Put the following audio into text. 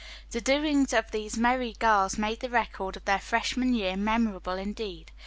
The doings of these merry girls made the record of their freshman year memorable indeed.